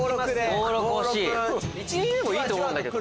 １・２でもいいと思うんだけど。